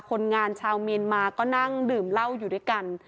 คนงานชาวเมียนมาก็นั่งดื่มเหล้าอยู่ด้วยกัน